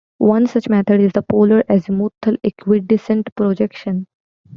One such method is the polar azimuthal equidistant projection.